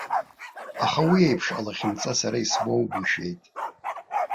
Аха уи еиԥш алахьынҵа сара исмоугәышьеит.